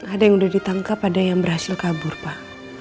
ada yang sudah ditangkap ada yang berhasil kabur pak